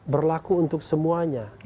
berlaku untuk semuanya